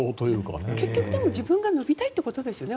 でも、結局自分が伸びたいってことですよね